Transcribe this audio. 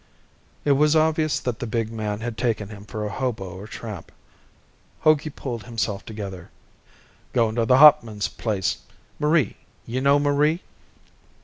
It was obvious that the big man had taken him for a hobo or a tramp. Hogey pulled himself together. "Goin' to the Hauptman's place. Marie. You know Marie?"